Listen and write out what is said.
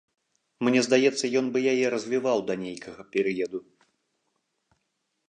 Мне здаецца, ён бы яе развіваў да нейкага перыяду.